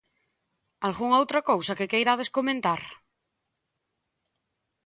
Algunha outra cousa que queirades comentar?